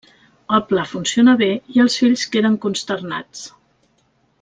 El pla funciona bé i els fills queden consternats.